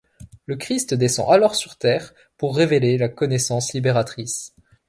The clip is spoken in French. Le Christ descend alors sur Terre pour révéler la connaissance libératrice.